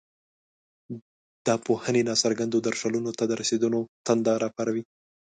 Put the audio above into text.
دا پوهنې ناڅرګندو درشلونو ته د رسېدلو تنده راپاروي.